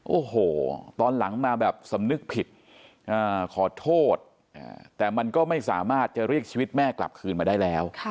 โอ้โหตอนหลังมาแบบสำนึกผิดขอโทษแต่มันก็ไม่สามารถจะเรียกชีวิตแม่กลับคืนมาได้แล้ว